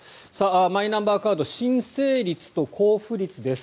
マイナンバーカード申請率と交付率です。